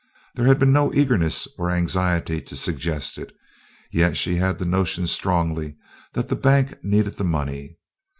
There had been no eagerness or anxiety to suggest it, yet she had the notion strongly that the bank needed the money.